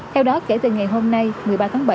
theo đó kể từ ngày hôm nay một mươi ba tháng bảy